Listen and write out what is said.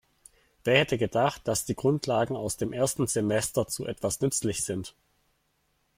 Wer hätte gedacht, dass die Grundlagen aus dem ersten Semester zu etwas nützlich sind?